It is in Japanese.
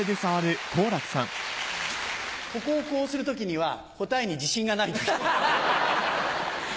ここをこうする時には答えに自信がない時。